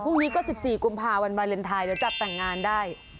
พรุ่งนี้ก็๑๔กุมภาวันวาเลนไทยเดี๋ยวจัดแต่งงานได้